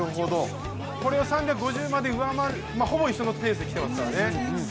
これを３５０までほぼ同じペースで来てますからね。